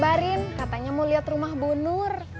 mau beli ya ngabarin katanya mau liat rumah bu nur